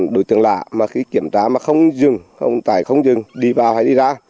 đối tượng lạ mà khi kiểm tra mà không dừng tải không dừng đi vào hay đi ra